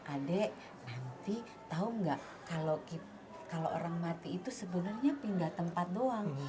adik nanti tahu nggak kalau orang mati itu sebenarnya pindah tempat doang